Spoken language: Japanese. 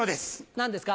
何ですか？